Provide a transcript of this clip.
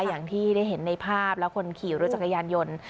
อย่างที่ได้เห็นในภาพแล้วคนขี่รถจักรยานยนต์